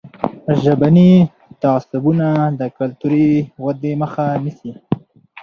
ژبني تعصبونه د کلتوري ودې مخه نیسي.